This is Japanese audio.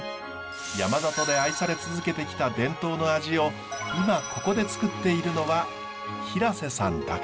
山里で愛され続けてきた伝統の味を今ここでつくっているのは平瀬さんだけです。